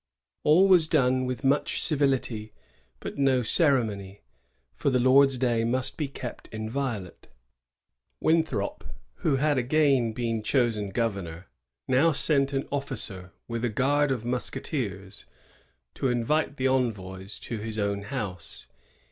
All was done with much civility, but no ceremony; for the Lord's Day must be kept inviolate. Winthrop, who had again been chosen governor, now sent an officer, with a guard of musketeers, to invite the envoys to his own house.